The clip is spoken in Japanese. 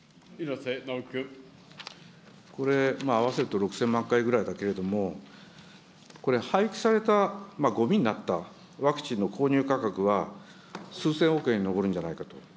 これ、合わせると６０００万回ぐらいだけれども、これ、廃棄された、ごみになったワクチンの購入価格は、数千億円に上るんじゃないかと。